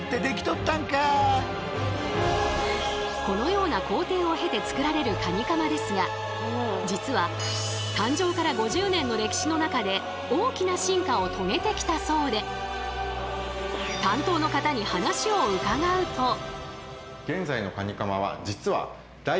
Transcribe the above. このような工程を経て作られるカニカマですが実は誕生から５０年の歴史の中で大きな進化を遂げてきたそうで担当の方に話を伺うと。